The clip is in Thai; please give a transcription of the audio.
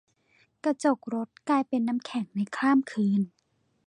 กระจกรถกลายเป็นน้ำแข็งในข้ามคืน